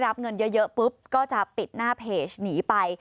รับเงินเยอะปุ๊บก็จะปิดหน้าเพจหนีไป